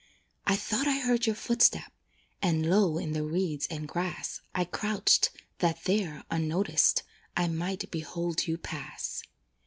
I thought I heard your footstep, And low in the reeds and grass I crouched, that there, unnoticed, I might behold you pass.